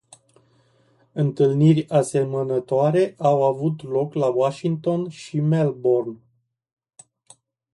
Întâlniri asemănătoare au avut loc la Washington și Melbourne.